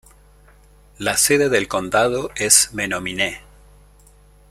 La sede del condado es Menominee.